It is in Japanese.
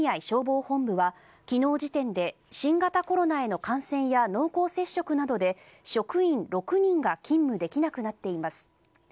消防本部は昨日時点で新型コロナへの感染や濃厚接触などで職員６人が勤務できなくなっています。